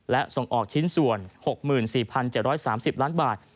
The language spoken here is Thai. และส่งออกชิ้นส่วน๖๔๗๓๐ล้านบาท